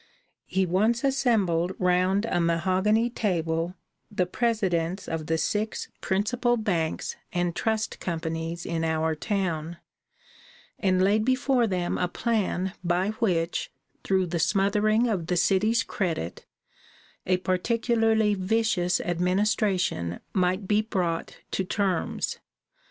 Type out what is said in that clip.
He once assembled round a mahogany table the presidents of the six principal banks and trust companies in our town, and laid before them a plan by which, through the smothering of the city's credit, a particularly vicious administration might be brought to terms.